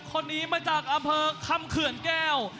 คนนี้มาจากอำเภอคำเขื่อนแก้ว